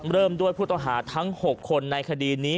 เริ่มด้วยผู้ต้องหาทั้ง๖คนในคดีนี้